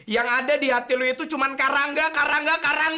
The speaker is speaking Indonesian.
yang ada di hati lo itu cuma karanga karanga karanga